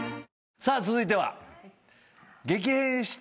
さあ続いては。